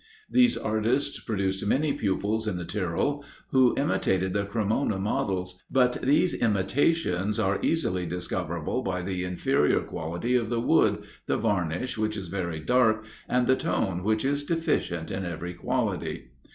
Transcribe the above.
These artists produced many pupils in the Tyrol, who imitated the Cremona models; but these imitations are easily discoverable by the inferior quality of the wood, the varnish, which is very dark, and the tone, which is deficient in every quality.